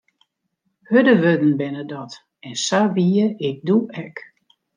Hurde wurden binne dat, en sa wie ik doe ek.